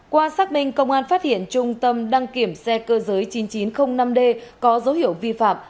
qua xác minh công an phát hiện trung tâm đăng kiểm xe cơ giới chín nghìn chín trăm linh năm d có dấu hiệu vi phạm